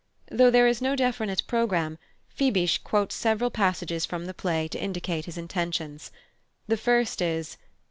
Though there is no definite programme, Fibich quotes several passages from the play to indicate his intentions. The first is